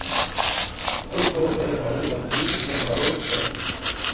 اُنھ کو ایک بھائی نظام دین جس نا ماڑو ک